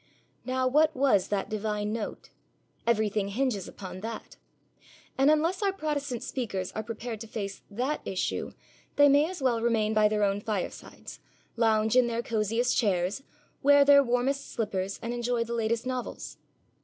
Now what was that divine note? Everything hinges upon that. And unless our Protestant speakers are prepared to face that issue they may as well remain by their own firesides, lounge in their cosiest chairs, wear their warmest slippers, and enjoy the latest novels.